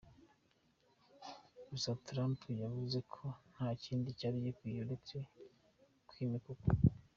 Gusa Trump yavuze ko nta kindi cyari gikwiye uretse kwimika ukuri.